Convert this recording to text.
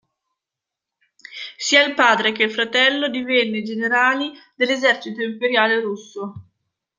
Sia il padre che il fratello divenne generali dell'esercito imperiale russo.